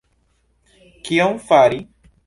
Kion Fari?